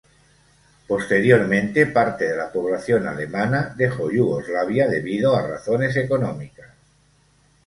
Posteriormente parte de la población alemana dejó Yugoslavia debido a razones económicas.